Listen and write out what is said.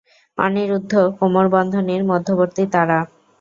অনিরুদ্ধ কোমর বন্ধনীর মধ্যবর্তী তারা।